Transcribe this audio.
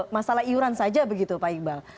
masalah iuran saja begitu pak iqbal